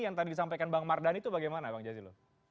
yang tadi disampaikan bang mardhani itu bagaimana bang jazilul